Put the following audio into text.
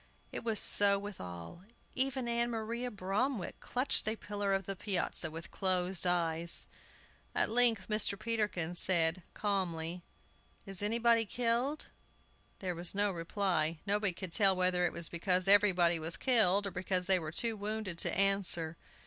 It was so with all. Even Ann Maria Bromwick clutched a pillar of the piazza, with closed eyes. At length Mr. Peterkin said, calmly, "Is anybody killed?" There was no reply. Nobody could tell whether it was because everybody was killed, or because they were too wounded to answer.